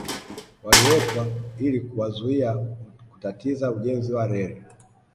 Waliwekwa ili kuwazuia kutatiza ujenzi wa reli